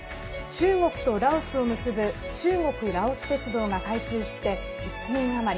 中国とラオスを結ぶ中国ラオス鉄道が開通して１年余り。